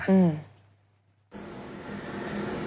อืม